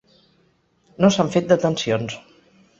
No s’han fet detencions.